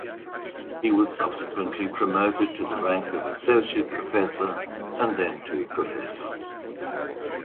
He was subsequently promoted to the rank of Associate professor and then to Professor.